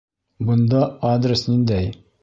Бында адрес ниндәй?